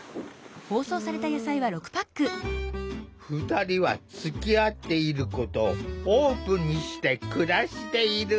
２人はつきあっていることをオープンにして暮らしている。